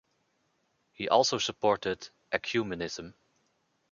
He also supported ecumenism.